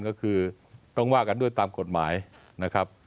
ก็คือต้องว่ากันด้วยตามกฎหมายนะครับ